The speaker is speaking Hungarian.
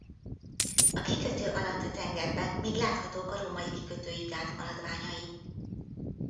A kikötő alatt a tengerben még láthatók a római kikötői gát maradványai.